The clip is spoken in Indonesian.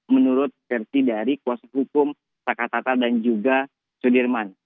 menurut versi dari kuasa hukum sakata dan juga sudirman